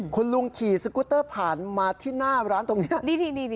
คุณลุงขี่สกุตเตอร์ผ่านมาที่หน้าร้านตรงนี้